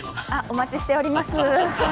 お待ちしております。